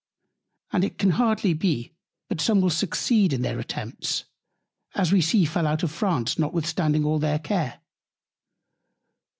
And it can hardly be, but some will succeed in their Attempts; as we see fell out in France notwithstanding all their Care.